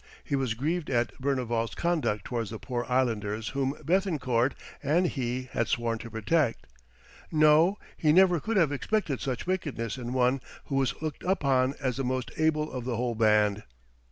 He was grieved at Berneval's conduct towards the poor islanders whom Béthencourt and he had sworn to protect. No! he never could have expected such wickedness in one who was looked upon as the most able of the whole band.